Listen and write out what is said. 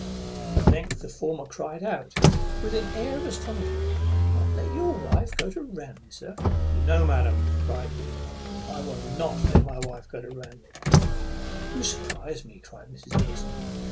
At length the former cried out with an air of astonishment, "Not let your lady go to Ranelagh, sir?" "No, madam," cries Booth, "I will not let my wife go to Ranelagh." "You surprize me!" cries Mrs. Ellison.